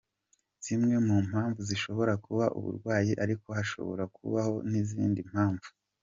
Zimwe mu mpamvu zishobora kuba uburwayi ariko hashobora kubaho n’izindi mpamvu.